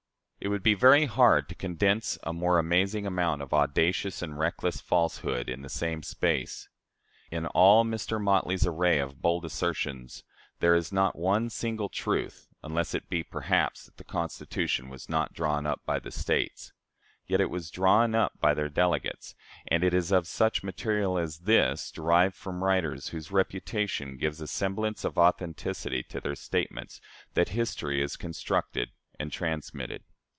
It would be very hard to condense a more amazing amount of audacious and reckless falsehood in the same space. In all Mr. Motley's array of bold assertions, there is not one single truth unless it be, perhaps, that "the Constitution was not drawn up by the States." Yet it was drawn up by their delegates, and it is of such material as this, derived from writers whose reputation gives a semblance of authenticity to their statements, that history is constructed and transmitted.